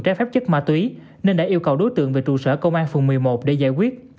trái phép chất ma túy nên đã yêu cầu đối tượng về trụ sở công an phường một mươi một để giải quyết